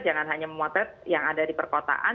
jangan hanya memotret yang ada di perkotaan